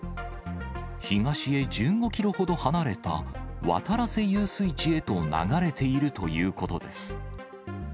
東へ１５キロほど離れた、渡良瀬遊水地へと流れているということです。